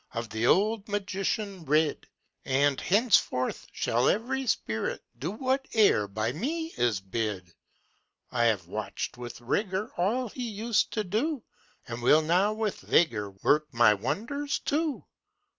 Of the old magician rid; And henceforth shall ev'ry spirit Do whate'er by me is bid; I have watch'd with rigour All he used to do, And will now with vigour Work my wonders too.